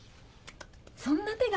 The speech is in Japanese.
そんな手が。